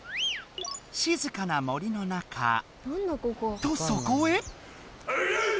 しずかな森の中とそこへ？